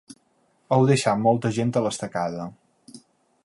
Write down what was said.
Heu deixat molta gent a l’estacada